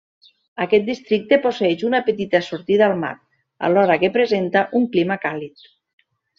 Aquest districte posseeix una petita sortida al mar alhora que presenta un clima càlid.